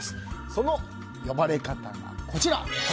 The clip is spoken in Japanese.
その呼ばれ方がこちら。